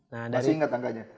masih inget angkanya